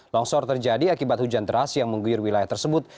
longsor terjadi akibat hujan teras yang menggoyor wilayah tersebut